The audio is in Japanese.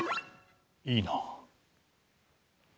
いいなあ。